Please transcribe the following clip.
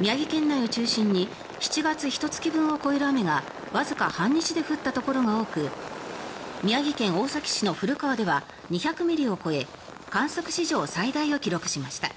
宮城県内を中心に７月ひと月分を超える雨がわずか半日で降ったところが多く宮城県大崎市の古川では２００ミリを超え観測史上最大を記録しました。